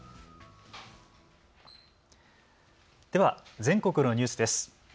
では全国のニュースです。